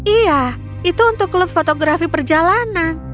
iya itu untuk klub fotografi perjalanan